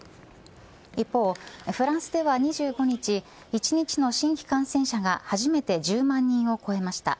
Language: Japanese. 一方、フランスでは２５日１日の新規感染者が初めて１０万人を超えました。